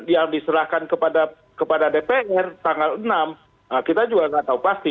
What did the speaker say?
yang diserahkan kepada dpr tanggal enam kita juga nggak tahu pasti